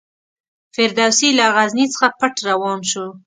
فردوسي له غزني څخه پټ روان شو.